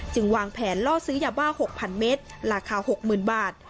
วางแผนล่อซื้อยาบ้า๖๐๐เมตรราคา๖๐๐๐บาท